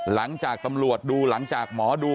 หลังจากตำรวจดูหลังจากหมอดู